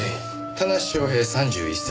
田無昌平３１歳。